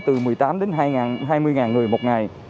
từ một mươi tám đến hai mươi người một ngày